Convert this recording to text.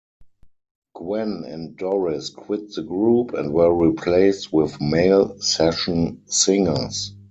Gwen and Doris quit the group and were replaced with male session singers.